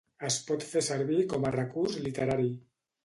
Es pot fer servir com a recurs literari.